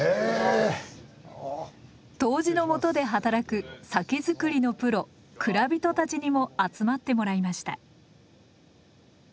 杜氏のもとで働く酒造りのプロ蔵人たちにも集まってもらいました。